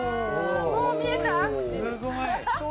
もう見えた？